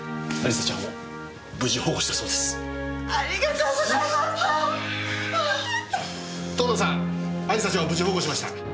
亜里沙ちゃんを無事保護しました。